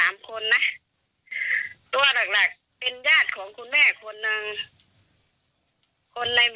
มี๓คนนะ